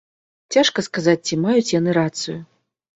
Цяжка сказаць, ці маюць яны рацыю.